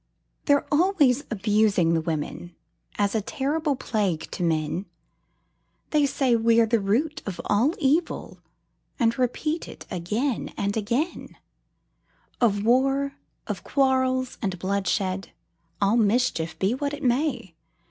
They're always abusing the women, As a terrible plague to men; They say we're the root of all evil, And repeat it again and again Of war, and quarrels, and bloodshed, All mischief, be what it may.